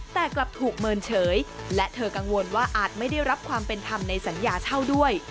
แต่กลับถูกเมินเฉยและเธอกังวลว่าอาจไม่ได้รับความเป็นธรรมในสัญญาเช่าด้วย